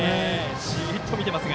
ジーっと見ていますが。